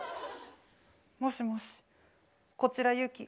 もしもしこちらゆき。